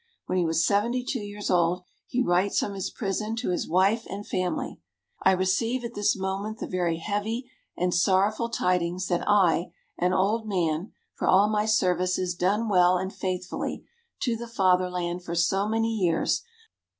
When he was seventy two years old he writes from his prison to his wife and family: "I receive at this moment the very heavy and sorrowful tidings that I, an old man, for all my services done well and faithfully to the fatherland for so many years